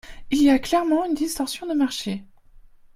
Il y a clairement une distorsion de marché.